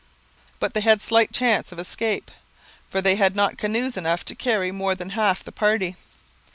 But they had slight chance of escape, for they had not canoes enough to carry more than half the party.